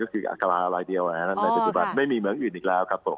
ก็คืออัครารายเดียวนะครับในปัจจุบันไม่มีเมืองอื่นอีกแล้วครับผม